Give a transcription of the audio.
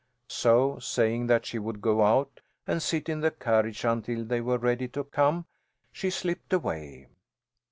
So, saying that she would go out and sit in the carriage until they were ready to come, she slipped away.